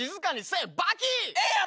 ええやろ。